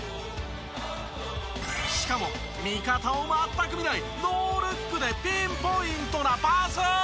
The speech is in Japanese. しかも味方を全く見ないノールックでピンポイントなパス！